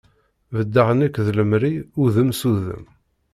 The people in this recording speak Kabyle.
Beddeɣ nekk d lemri udem s udem.